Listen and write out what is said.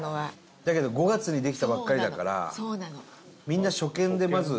だけど５月にできたばっかりだからみんな、初見で、まず。